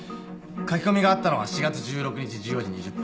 書き込みがあったのは４月１６日１４時２０分。